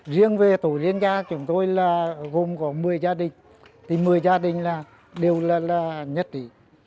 riêng về tổ liên gia chúng tôi là gồm có một mươi gia đình thì một mươi gia đình là đều là nhất trí